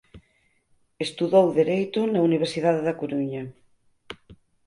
Estudou dereito na Universidade da Coruña.